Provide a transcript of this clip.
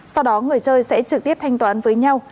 sau đó người chơi sẽ trực tiếp thanh toán với nhau